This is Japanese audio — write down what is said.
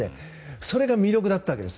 それが魅力だったわけです。